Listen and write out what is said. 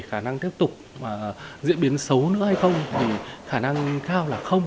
khả năng tiếp tục diễn biến xấu nữa hay không thì khả năng cao là không